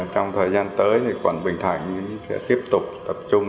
trong thời gian tới quận bình thạnh sẽ tiếp tục tập trung